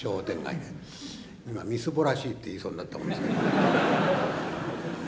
今「みすぼらしい」って言いそうになったもんですからね。